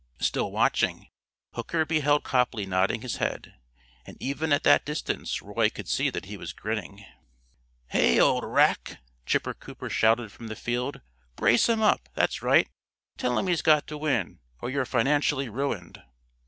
Still watching, Hooker beheld Copley nodding his head, and even at that distance Roy could see that he was grinning. "Hey, old Rack!" Chipper Cooper shouted from the field. "Brace him up that's right. Tell him he's got to win or you're financially ruined."